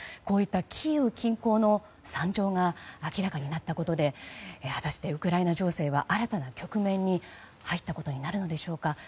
こういったキーウ近郊の惨状が明らかになったことで果たしてウクライナ情勢は新たな局面に入ったことになるのでしょうか。